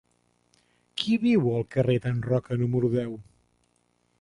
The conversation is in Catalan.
Qui viu al carrer d'en Roca número deu?